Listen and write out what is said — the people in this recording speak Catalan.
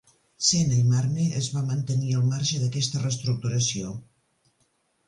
Sena i Marne es va mantenir al marge d'aquesta reestructuració.